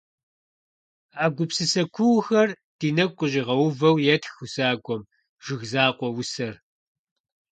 А гупсысэ куухэр ди нэгу къыщӀигъэувэу етх усакӀуэм, «Жыг закъуэ» усэр.